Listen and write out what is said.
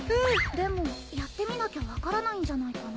でもやってみなきゃ分からないんじゃないかな。